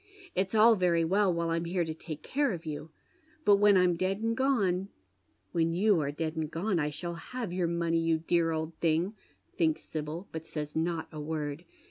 It's all very well while I'm here to take oare of you, but when I'm dead and gone "" When you are dead and gone I shall have your money, yon dear old thing," thinks Sibyl, but says not a word.